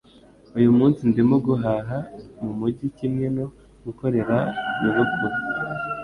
Uyu munsi ndimo guhaha mumujyi kimwe no gukorera nyogokuru